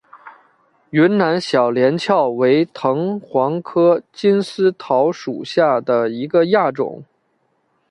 云南小连翘为藤黄科金丝桃属下的一个亚种。